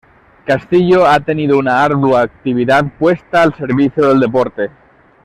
Castillo ha tenido una ardua actividad puesta al servicio del deporte.